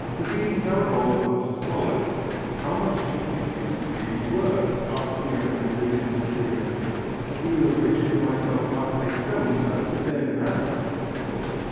Proceedings now evolve much as follows: "How much do you think it is really worth?" asks the owner with legitimate curiosity. "A dealer richer than myself might pay so and so, but then an outsider, of course...."